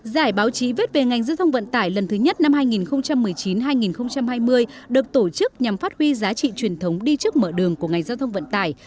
giải báo chí viết về ngành giao thông vận tải lần thứ nhất năm hai nghìn một mươi chín hai nghìn hai mươi được tổ chức nhằm phát huy giá trị truyền thống đi trước mở đường của ngành giao thông vận tải